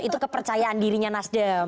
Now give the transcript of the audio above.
itu kepercayaan dirinya mas dem